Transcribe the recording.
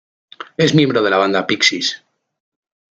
Es miembro de la banda Pixies.